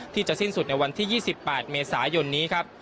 ที่จะสิ้นสุดในวันที่๒๘เมษายนนี้ครับ